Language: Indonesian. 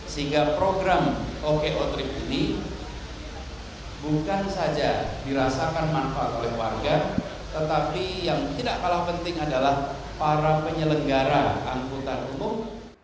sehingga program oko trip ini bukan saja dirasakan manfaat oleh warga tetapi yang tidak kalah penting adalah para penyelenggara angkutan umum